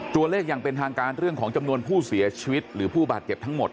อย่างเป็นทางการเรื่องของจำนวนผู้เสียชีวิตหรือผู้บาดเจ็บทั้งหมด